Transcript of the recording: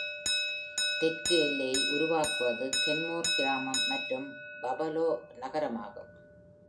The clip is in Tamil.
தெற்கு எல்லையை உருவாக்குவது கென்மோர் கிராமம் மற்றும் பபாலோ நகரம் ஆகும்.